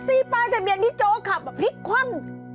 พี่ป้าจะเบียนที่โจ๊กขับมาพิกษ์ความ